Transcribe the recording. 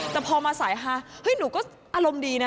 แต่พอมาสายฮาเฮ้ยหนูก็อารมณ์ดีนะ